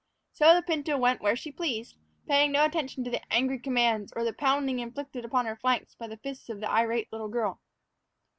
So the pinto went where she pleased, paying no attention to angry commands, or to the pounding inflicted upon her flanks by the fists of the irate little girl.